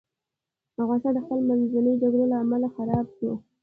افغانستان د خپل منځي جګړو له امله خراب سو.